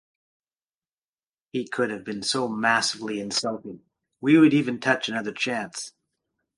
He could have been so massively insulted we would even touch Another Chance!